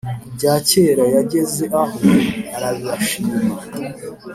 ku bya kera, yageze aho arabashima,